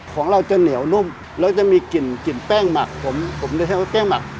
ของเราจะเหนียวนุ่มแล้วจะมีกลิ่นกลิ่นแป้งหมักผมผมจะใช้ว่าแป้งหมัก